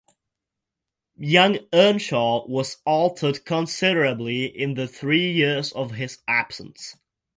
Young Earnshaw was altered considerably in the three years of his absence.